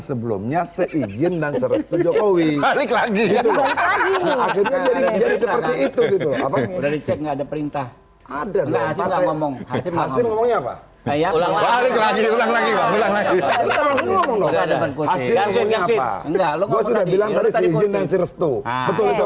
sebelumnya seijin dan serestu jokowi lagi lagi seperti itu ada perintah ada